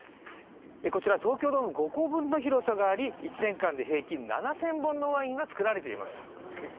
こちら東京ドーム５個分の広さがあり１年間で平均７０００本のワインが作られています。